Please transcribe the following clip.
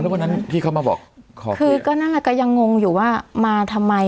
แล้ววันนั้นพี่เข้ามาบอกคือก็น่าจะยังงงอยู่ว่ามาทำไม